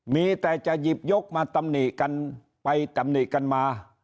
มีแต่จะหยิบยกมาตำหนิกันไปตำหนิกันมา